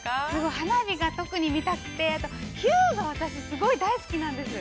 ◆花火が特に見たくて、ヒューが私大好きなんです。